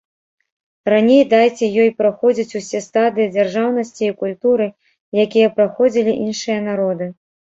Раней дайце ёй праходзіць усе стадыі дзяржаўнасці і культуры, якія праходзілі іншыя народы.